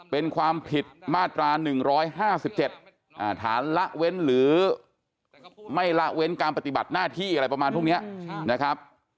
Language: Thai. เป็นความผิดมาตรา๑๕๗ฐานละเว้นหรือไม่ละเว้นการปฏิบัติหน้าที่อะไรประมาณพวกนี้นะครับ